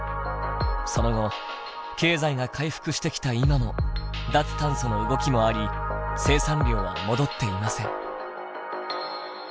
その後経済が回復してきた今も脱炭素の動きもあり生産量は戻っていません。